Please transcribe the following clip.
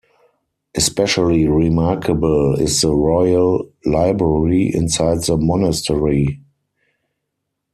Especially remarkable is the Royal Library, inside the Monastery.